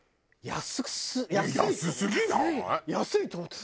安いと思ってさ。